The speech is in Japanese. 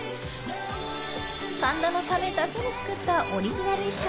神田のためだけに作ったオリジナル衣装。